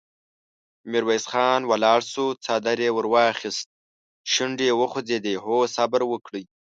ميرويس خان ولاړ شو، څادر يې ور واخيست، شونډې يې وخوځېدې: هو! صبر وکړئ!